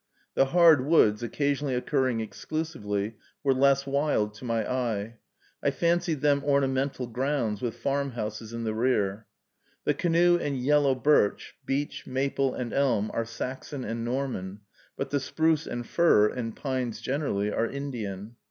The hard woods, occasionally occurring exclusively, were less wild to my eye. I fancied them ornamental grounds, with farmhouses in the rear. The canoe and yellow birch, beech, maple, and elm are Saxon and Norman, but the spruce and fir, and pines generally, are Indian.